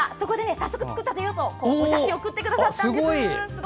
早速作ってみたよと写真を送ってくださったんです。